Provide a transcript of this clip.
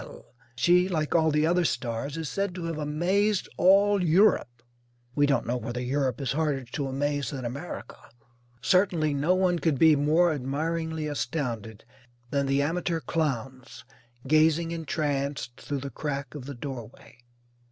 She, like all the other stars, is said to have "amazed all Europe." We don't know whether Europe is harder to amaze than America. Certainly no one could be more admiringly astounded than the amateur clowns gazing entranced through the crack of the doorway.